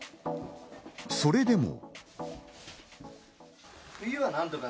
それでも。